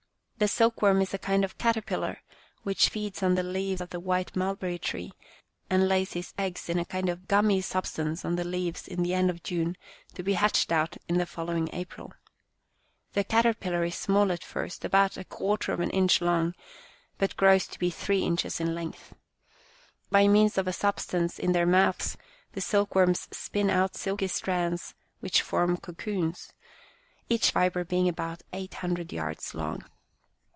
The silkworm is a kind of a caterpillar which feeds on the leaves of the white mulberry tree, and lays his eggs in a kind of gummy substance on the leaves in the end of June to be hatched out in the following April. The caterpillar is small at first, about a quarter of an inch long, but grows to be three inches in length. By means of a substance in their mouths the silkworms spin out silky strands which form cocoons, each fibre being about eight hundred yards long.